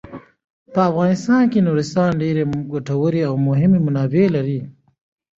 په افغانستان کې د نورستان ډیرې ګټورې او مهمې منابع شته.